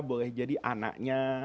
boleh jadi anaknya